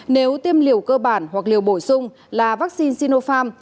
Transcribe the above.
nếu tiêm liều cơ bản hoặc liều bổ sung là vaccine sinopharm